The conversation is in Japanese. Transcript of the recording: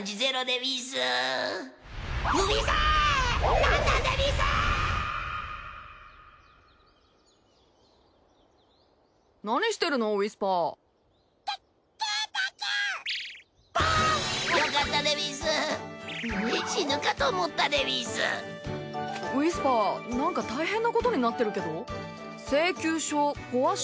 ウィスパーなんか大変なことになってるけど？